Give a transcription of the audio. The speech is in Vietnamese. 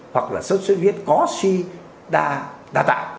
hoặc là suốt suốt huyết có suy đa tạ